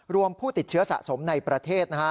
รวมผู้ติดเชื้อสะสมในประเทศ